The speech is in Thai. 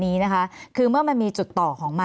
มีความรู้สึกว่ามีความรู้สึกว่า